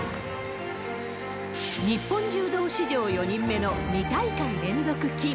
日本柔道史上４人目の、２大会連続金。